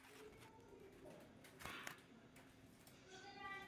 Očekávání jsou vysoká a stejně vysoká je zodpovědnost.